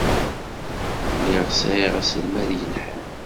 Lliɣ sɛiɣ aselmad yelhan.